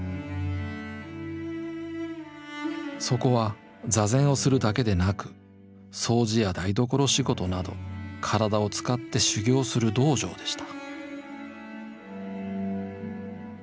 そこは坐禅をするだけでなく掃除や台所仕事など体を使って修行する道場でした。